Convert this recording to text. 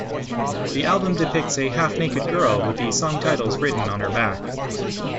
The album depicts a half-naked girl with the song titles written on her back.